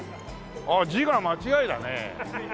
ああ字が間違いだねえ。